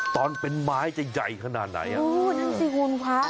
ตอนเป็นไม้ใหญ่ขนาดไหน